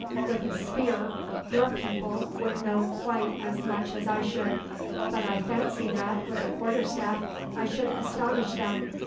With a spear your people would know quite as much as I should; but I fancy that, with a quarterstaff, I should astonish them.